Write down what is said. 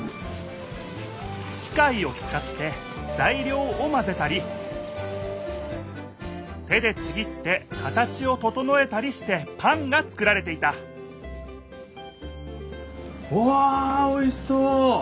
きかいをつかってざいりょうをまぜたり手でちぎって形をととのえたりしてパンが作られていたうわおいしそう！